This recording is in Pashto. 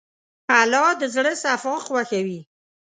الله د زړه صفا خوښوي.